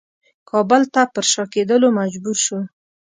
کابل ته پر شا کېدلو مجبور شو.